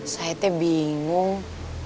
saya teh bingung